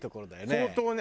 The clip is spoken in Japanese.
相当ね。